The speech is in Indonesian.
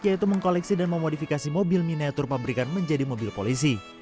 yaitu mengkoleksi dan memodifikasi mobil miniatur pabrikan menjadi mobil polisi